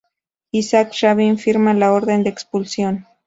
Isaac Rabin firma la orden de expulsión.